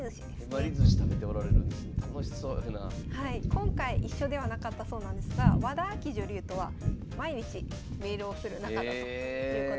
今回一緒ではなかったそうなんですが和田あき女流とは毎日メールをする仲だということで。